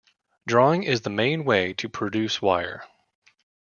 Drawing is the main way to produce wire.